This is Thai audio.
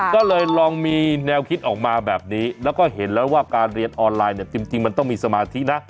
ก็เลยลองมีแนวคิดออกมาแบบนี้แล้วก็เห็นแล้วว่าการเรียนออนไลน์เนี่ยจริงมันต้องมีสมาธินะ